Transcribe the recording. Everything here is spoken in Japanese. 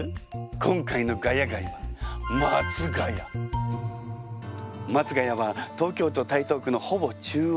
今回の「ヶ谷街」は松が谷は東京都台東区のほぼ中央。